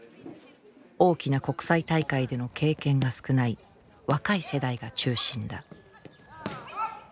大きな国際大会での経験が少ない若い世代が中心だ。